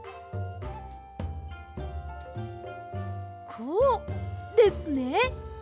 こうですね。